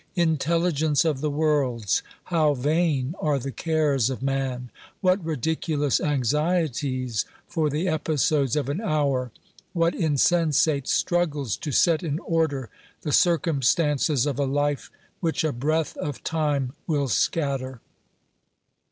Intelligence of the worlds ! How vain are the cares of man ! What ridiculous anxieties for the episodes of an hour ! What insensate struggles to set in order the circum stances of a life which a breath of time will scatter